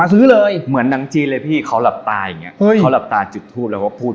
ใช่เหมือนนางจีนเลยพี่เขาหลับตาอย่างนี้เขาหลับตาจัดพูด